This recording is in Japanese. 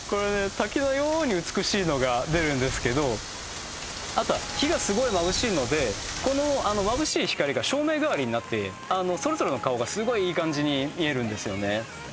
滝のように美しいのが出るんですけどあとは火がすごいまぶしいのでこのまぶしい光が照明代わりになってそれぞれの顔がすごいいい感じに見えるんですよね